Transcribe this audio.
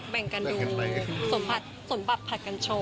แบ่งกันดูสมบัติผัดกันโชว์